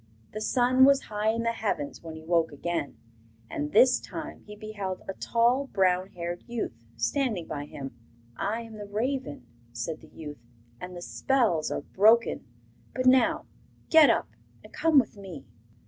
The sun was high in the heavens when he woke again, and this time he beheld a tall, brown haired youth standing by him. 'I am the raven,' said the youth, 'and the spells are broken. But now get up and come with me.